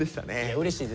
うれしいですよ。